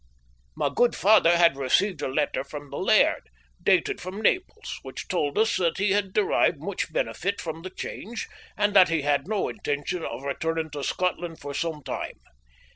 My good father had received a letter from the laird, dated from Naples, which told us that he had derived much benefit from the change, and that he had no intention of returning to Scotland for some time.